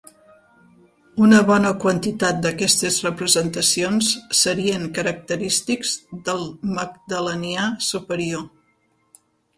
Una bona quantitat d'aquestes representacions serien característics del magdalenià superior.